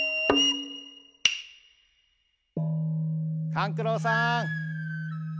・勘九郎さん。